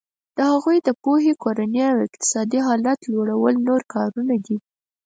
د هغوی د پوهې کورني او اقتصادي حالت لوړول نور کارونه دي.